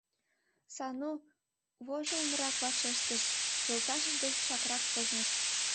— Сану вожылынрак вашештыш, йолташыж дек чакрак пызныш.